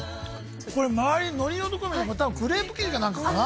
これ周り海苔の所が多分クレープ生地か何かかな。